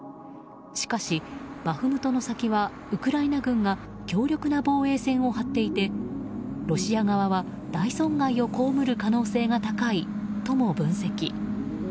しかし、バフムトの先はウクライナ軍が強力な防衛線を張っていてロシア側は大損害を被る可能性が高いとも分析。